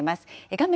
画面